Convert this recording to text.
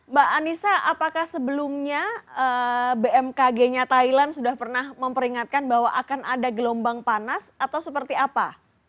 mbak anissa apakah sebelumnya bmkg nya thailand sudah pernah memperingatkan bahwa akan ada gelombang panas atau seperti apa